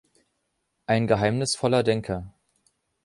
Ein geheimnisvoller Denker.